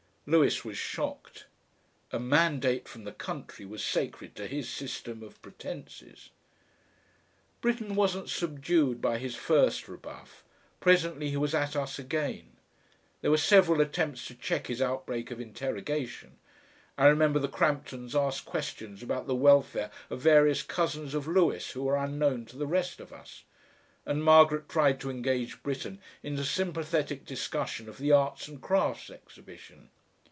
Lewis was shocked. A "mandate" from the Country was sacred to his system of pretences. Britten wasn't subdued by his first rebuff; presently he was at us again. There were several attempts to check his outbreak of interrogation; I remember the Cramptons asked questions about the welfare of various cousins of Lewis who were unknown to the rest of us, and Margaret tried to engage Britten in a sympathetic discussion of the Arts and Crafts exhibition.